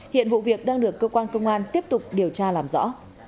hiện vụ việc đang được cơ quan công an tiếp tục điều tra làm rõ